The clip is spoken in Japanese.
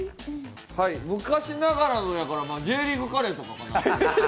昔ながらのやからＪリーグカレーとかかな。